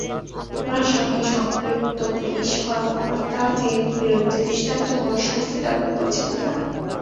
হামলার সঙ্গে সম্পৃক্ত পুলিশ কর্মকর্তাদের বিরুদ্ধে দৃষ্টান্তমূলক শাস্তি দাবি করেছেন তাঁরা।